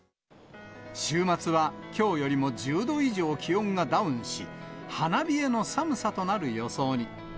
週末はきょうよりも１０度以上気温がダウンし、花冷えの寒さとなる予想に。